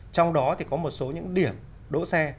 trong đó thì có một số những điểm đỗ xe